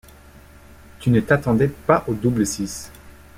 Tu ne t’attendais pas au double-six.